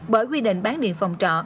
bởi quy định bán điện phòng trọ